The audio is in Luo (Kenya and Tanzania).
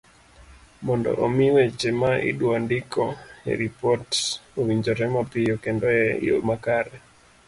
mondo omi weche ma idwa ndiko e ripot owinjore mapiyo kendo e yo makare